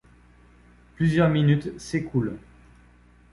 Plusieurs minutes s’écoulent.